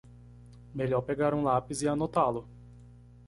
Melhor pegar um lápis e anotá-lo.